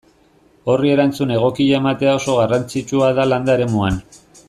Horri erantzun egokia ematea oso garrantzitsua da landa eremuan.